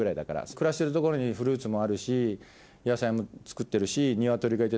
暮らしてる所にフルーツもあるし野菜も作ってるし。